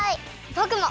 ぼくも！